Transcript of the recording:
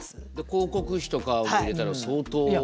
広告費とかも入れたら相当ですよね。